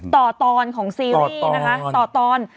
ตอนของซีรีส์นะคะต่อตอน